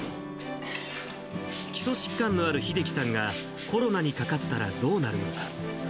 基礎疾患のある秀樹さんがコロナにかかったらどうなるのか。